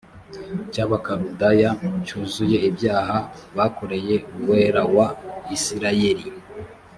cy abakaludaya cyuzuye ibyaha bakoreye uwera wa isirayeli